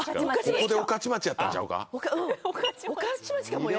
ここで御徒町やったんちゃうか⁉御徒町かもよ。